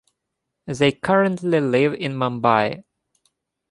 They currently live in Mumbai.